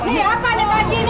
nih apa deh pak haji ini